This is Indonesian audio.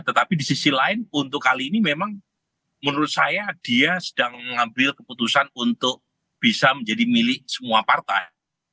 tetapi di sisi lain untuk kali ini memang menurut saya dia sedang mengambil keputusan untuk bisa menjadi milik semua partai